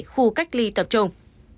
khu cách ly tập trung